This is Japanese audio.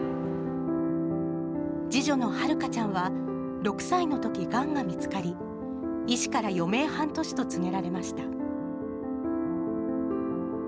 次女のはるかちゃんは、６歳のとき、がんが見つかり、医師から余命半年と告げられました。